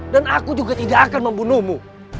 dan aku juga tidak akan membunuhmu